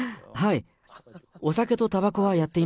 はい。